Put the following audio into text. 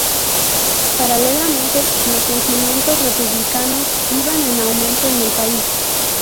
Paralelamente, los sentimientos republicanos iban en aumento en el país.